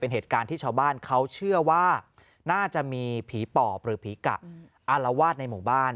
เป็นเหตุการณ์ที่ชาวบ้านเขาเชื่อว่าน่าจะมีผีปอบหรือผีกะอารวาสในหมู่บ้าน